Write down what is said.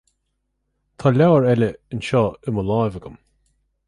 Tá leabhar eile anseo i mo láimh agam